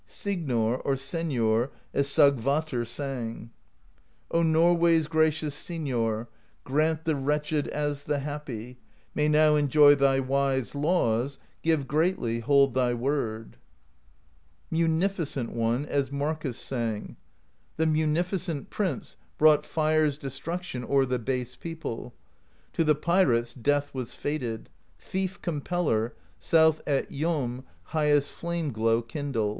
Signor, or Senor, as Sigvatr sang: O Norway's gracious Signor, Grant the wretched, as the happy, May now enjoy thy wise laws; Give greatly, hold thy word! Munificent One, as Markiis sang: THE POESY OF SKALDS 227 The Munificent Prince brought fire's destruction O'er the base people; to the pirates Death was fated: Thief Compeller, South at Jom highest flame glow kindle!